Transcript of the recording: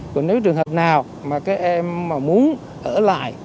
còn nếu trường hợp nào mà các em mà muốn ở lại